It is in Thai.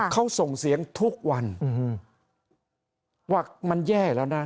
เขาส่งเสียงทุกวันว่ามันแย่แล้วนะ